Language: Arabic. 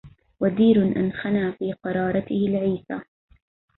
ودير أنخنا في قرارته العيسا